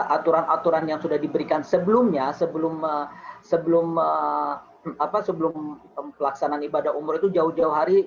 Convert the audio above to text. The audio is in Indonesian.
aturan aturan yang sudah diberikan sebelumnya sebelum pelaksanaan ibadah umroh itu jauh jauh hari